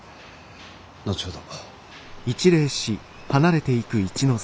後ほど。